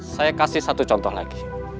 saya kasih satu contoh lagi